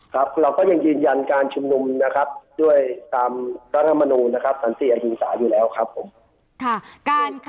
แต่เราก็ยังยืนยันการชุมนุมตามรัฐธรรมนูษย์ศาสตร์อยู่แล้วครับผม